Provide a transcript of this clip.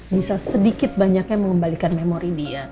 bisa sedikit banyaknya mengembalikan memori dia